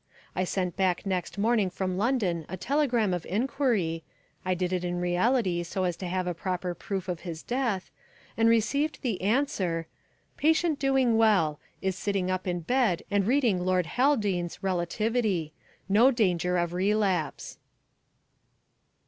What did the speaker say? I sent back next morning from London a telegram of enquiry (I did it in reality so as to have a proper proof of his death) and received the answer, "Patient doing well; is sitting up in bed and reading Lord Haldane's Relativity; no danger of relapse."